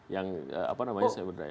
yang apa namanya sebenarnya